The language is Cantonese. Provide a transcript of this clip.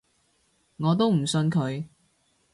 我都唔信佢